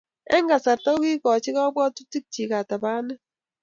Eng kasarta, kokiikoch kabwatutikchi katabanet